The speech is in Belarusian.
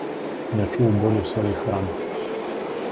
Не чуў болю сваіх ран.